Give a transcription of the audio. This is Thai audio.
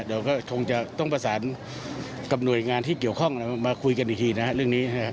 เดี๋ยวก็คงจะต้องประสานกับหน่วยงานที่เกี่ยวข้องมาคุยกันอีกทีนะครับเรื่องนี้นะครับ